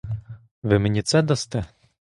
Ви мені це дасте?